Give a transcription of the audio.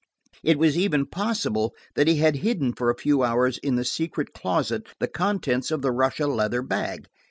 It was even possible that he had hidden for a few hours in the secret closet the contents of the Russia leather bag.